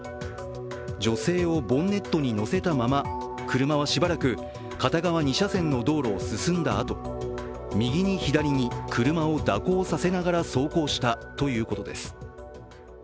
女性をボンネットにのせたまま、車はしばらく片側二車線の道路を進んだあと右に左に車を蛇行させながら走行したということです。